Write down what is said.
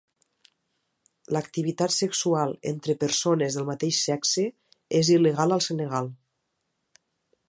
L'activitat sexual entre persones del mateix sexe és il·legal al Senegal.